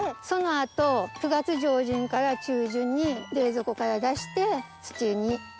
その後９月上旬から中旬に冷蔵庫から出して。